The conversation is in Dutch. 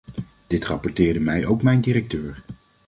Dit rapporteerde mij ook mijn directeur.